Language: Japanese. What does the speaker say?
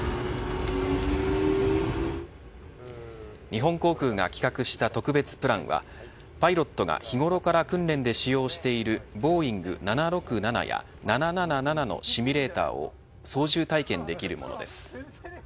日本航空が企画した特別プランはパイロットが日頃から訓練で使用しているボーイング７６７や７７７のシミュレーターを操縦体験できるものです。